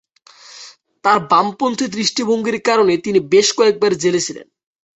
তার বামপন্থী দৃষ্টিভঙ্গির কারণে, তিনি বেশ কয়েকবার জেলে ছিলেন।